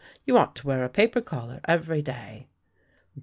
You ought to wear a paper collar every day!